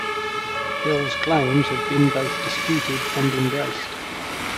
Hill's claims have been both disputed and embraced.